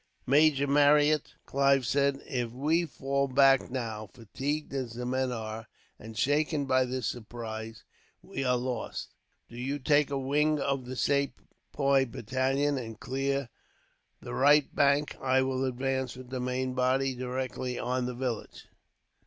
"Major Marryat," Clive said, "if we fall back now, fatigued as the men are, and shaken by this surprise, we are lost. Do you take a wing of the Sepoy battalion, and clear the right bank. I will advance, with the main body, directly on the village."